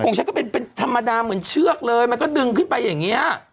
ฉันก็เป็นธรรมดาเหมือนเชือกเลยมันก็ดึงขึ้นไปอย่างนี้